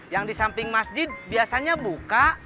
yang disamping masjid biasanya buka